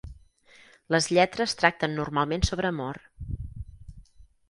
Les lletres tracten normalment sobre amor.